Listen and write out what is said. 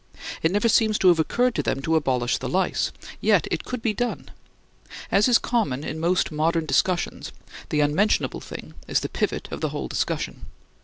It never seems to have occurred to them to abolish the lice. Yet it could be done. As is common in most modern discussions the unmentionable thing is the pivot of the whole discussion.